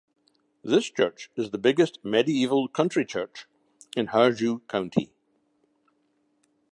This church is the biggest medieval country church in Harju county.